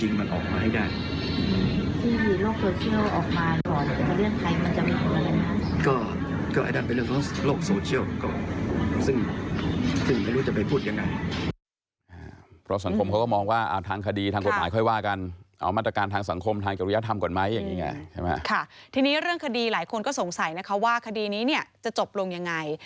หรือมีบัตรวงปฏิกิจของการพึ่งครัฐ